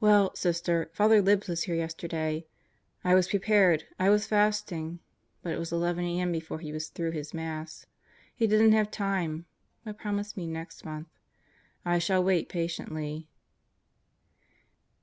Well, Sister, Father Libs was here yesterday. I was prepared. I was fasting. But it was 11 a.m. before he was through his Mass. He didn't have time, but promised me next month. I shall wait patiently.